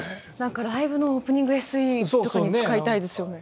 ライブのオープニングＳＥとかに使いたいですよね。